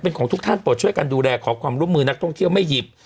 เป็นของทุกท่านโปรดช่วยกันดูแลขอความร่วมมือนักท่องเที่ยวไม่หยิบ